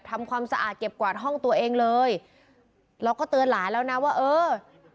ทำความสะอาดเก็บกวาดห้องตัวเองเลยเราก็เตือนหลานแล้วนะว่าเออ